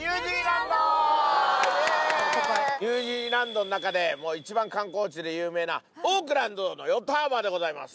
ニュージーランドの中でも一番観光地で有名なオークランドのヨットハーバーでございます。